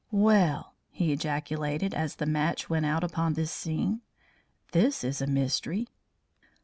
"Well!" he ejaculated, as the match went out upon this scene. "This is a mystery."